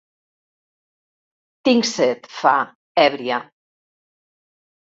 Tinc set, fa, èbria.